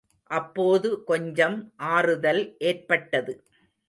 அப்போது கொஞ்சம் ஆறுதல் ஏற்பட்டது.